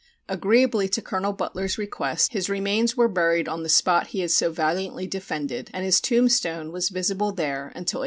Agreeably to Colonel Butler's request his remains were buried on the spot he had so valiantly defended, and his tombstone was visible there until 1818.